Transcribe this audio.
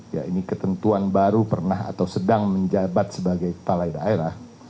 ya ini ketentuan baru pernah atau sedang menjabat sebagai kepala daerah